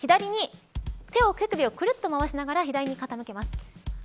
手をくるっと回しながら左に傾けます。